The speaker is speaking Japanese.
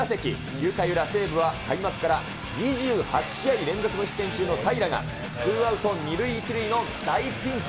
９回裏、西武は開幕から２８試合連続出塁中の平良が２塁１塁の大ピンチ。